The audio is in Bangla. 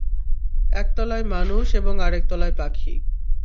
একতলায় মানুষ এবং আরেক তলায় পাখি।